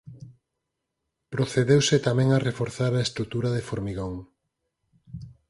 Procedeuse tamén a reforzar a estrutura de formigón.